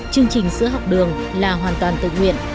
chương trình sữa học đường là hoàn toàn tự nguyện